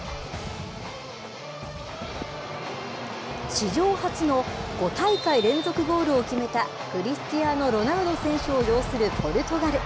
史上初の５大会連続ゴールを決めた、クリスチアーノ・ロナウド選手を擁するポルトガル。